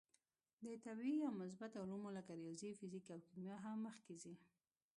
د طبعي یا مثبته علومو لکه ریاضي، فیزیک او کیمیا هم مخکې ځي.